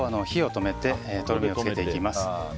ここで一度火を止めてとろみをつけていきます。